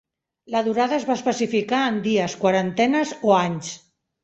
La durada es va especificar en dies, quarantenes o anys.